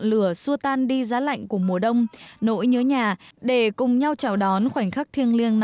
là học gia nhất